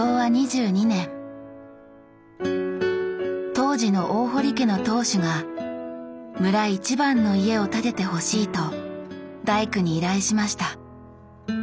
当時の大堀家の当主が「村一番の家を建ててほしい」と大工に依頼しました。